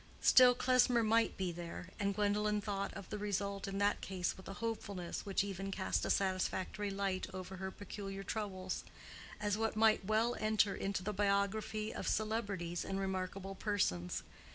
Still Klesmer might be there, and Gwendolen thought of the result in that case with a hopefulness which even cast a satisfactory light over her peculiar troubles, as what might well enter into the biography of celebrities and remarkable persons.